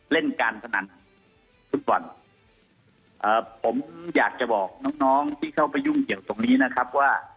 เล่นการพนันฟุตบอลเอ่อผมอยากจะบอกน้องน้องที่เข้าไปยุ่งเกี่ยวตรงนี้นะครับว่า